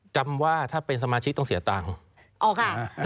จำว่าถ้าเป็นสมาชิกต้องเสียตังค์อ๋อค่ะ